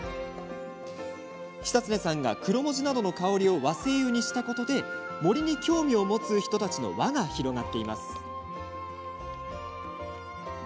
久恒さんがクロモジなどの香りを和精油にしたことで森に興味を持つ人たちの輪が広がっています。